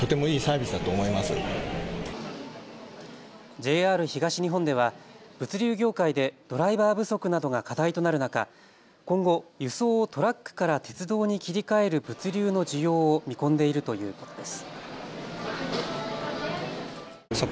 ＪＲ東日本では物流業界でドライバー不足などが課題となる中、今後、輸送をトラックから鉄道に切り替える物流の需要を見込んでいるということです。